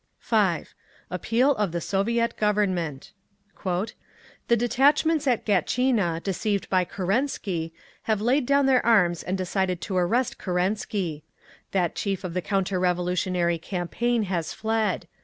5. APPEAL OF THE SOVIET GOVERNMENT "The detachments at Gatchina, deceived by Kerensky, have laid down their arms and decided to arrest Kerensky. That chief of the counter revolutionary campaign has fled.